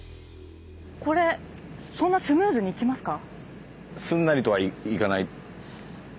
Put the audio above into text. これそんなスムーズにいきますか。